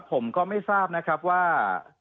ผมก็ไม่ทราบนะครับว่า